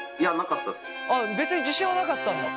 あ別に自信はなかったんだ？